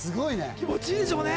気持ちいいでしょうね。